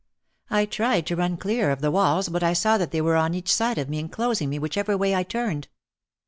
I tried to run clear of the walls but I saw that they were on each side of me enclosing me whichever way I turned.